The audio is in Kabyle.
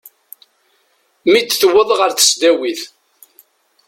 Mi d-tewweḍ ɣer tesdawit.